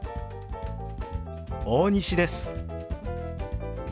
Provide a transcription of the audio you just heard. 大西です。